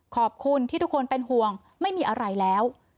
ขอบคุณที่ทุกคนเป็นห่วงไม่มีอะไรแล้ว